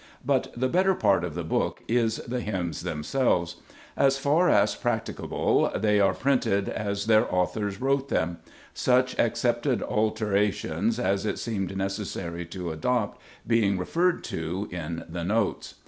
But the better part of the book is the hymns themselves. As far as practicable they are printed as their authors wrote them ; such accepted alterations as it seemed necessary to adopt being referred to in the notes.